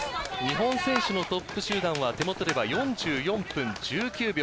日本選手のトップ集団は手元では４４分１９秒。